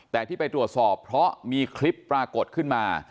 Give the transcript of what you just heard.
แต่ที่ไปตรวจสอบเพราะมีคลิปปรากฏขึ้นมา